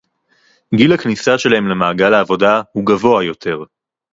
גיל הכניסה שלהם למעגל העבודה הוא גבוה יותר